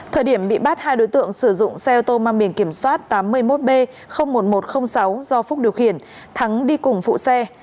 thời điểm bị bắt hai đối tượng sử dụng xe ô tô mang biển kiểm soát tám mươi một b một nghìn một trăm linh sáu do phúc điều khiển thắng đi cùng phụ xe